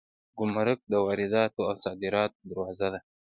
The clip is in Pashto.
ګمرک د وارداتو او صادراتو دروازه ده